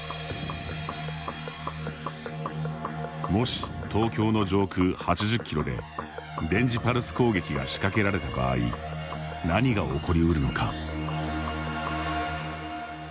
もし、東京の上空８０キロで電磁パルス攻撃が仕掛けられた場合何が起こり得るのか。